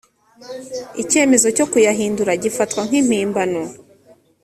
icyemezo cyo kuyahindura gifatwa nkimpimbano.